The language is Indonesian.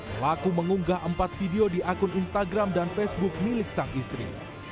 pelaku mengunggah empat video di akun instagram dan facebook milik sang istri